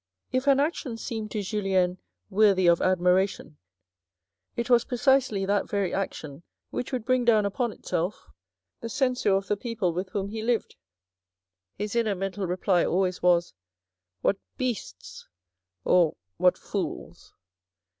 If an action seemed to Julien worthy of admiration, it was precisely that very action which would bring down upon itself the censure of the people with whom he lived. His inner mental reply always was, "What beasts or what fools